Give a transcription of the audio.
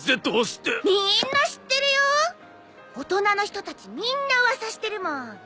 大人の人たちみんな噂してるもん。